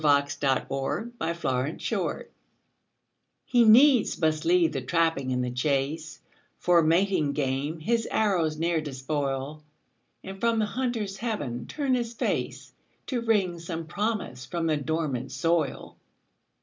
THE INDIAN CORN PLANTER He needs must leave the trapping and the chase, For mating game his arrows ne'er despoil, And from the hunter's heaven turn his face, To wring some promise from the dormant soil.